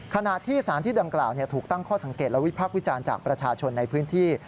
ขณะที่สารที่ดังกล่าวถูกตั้งข้อสังเกตและวิพักษ์วิจารณ์จากประชาชนในพื้นที่